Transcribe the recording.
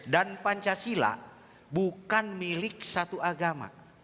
dan pancasila bukan milik satu agama